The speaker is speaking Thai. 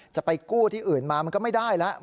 จะไปกู้ที่อื่นมามันก็ไม่ได้แล้ว